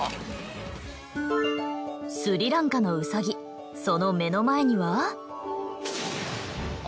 スリランカのウサギその目の前には。